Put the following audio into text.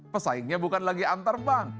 pesaingnya bukan lagi antarbank